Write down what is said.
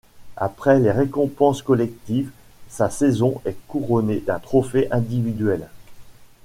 Après les récompenses collectives, sa saison est couronnée d'un trophée individuel.